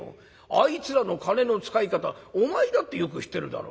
あいつらの金の使い方お前だってよく知ってるだろ。